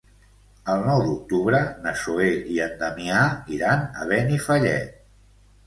El nou d'octubre na Zoè i en Damià iran a Benifallet.